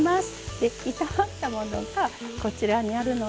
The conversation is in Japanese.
で炒まったものがこちらにあるので。